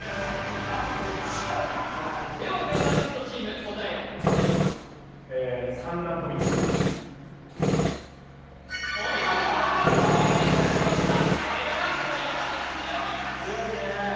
さすがだなではメダリストチーム答えをどうぞお見事三段跳び正解しましたメダリストやはり強い強いね